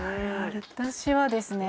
私はですね